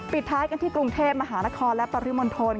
ปิดท้ายกันที่กรุงเทพมหานครและปริมณฑล